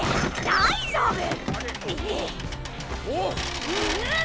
大丈夫。